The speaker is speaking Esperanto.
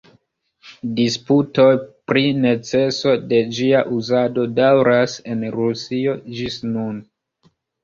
Disputoj pri neceso de ĝia uzado daŭras en Rusio ĝis nun.